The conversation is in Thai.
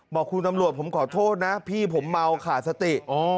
บอกคุณตำรวจผมขอโทษนะพี่ผมเมาขาดสติ